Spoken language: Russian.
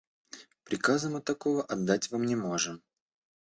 Приказа мы такого отдать Вам не можем.